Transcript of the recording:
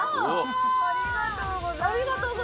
ありがとうございます。